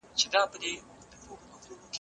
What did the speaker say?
نه پر چا احسان د سوځېدو لري